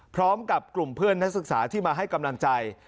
พร้อมกับกลุ่มเพื่อนนักศึกษาที่มาให้กำลังใจ